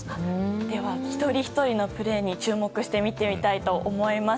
では一人ひとりのプレーに注目して見てみたいと思います。